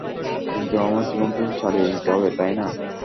কিন্তু আমার জীবন তো চালিয়ে নিতে হবে, তাই না?